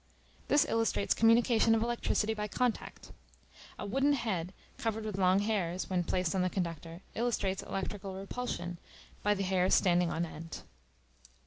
This illustrates communication of electricity by contact. A wooden head, covered with long hairs, when placed on the conductor, illustrates electrical repulsion, by the hairs standing on end.